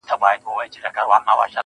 د خپل ژوند په يوه خړه آئينه کي,